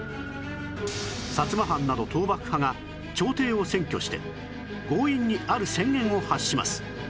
薩摩藩など倒幕派が朝廷を占拠して強引にある宣言を発します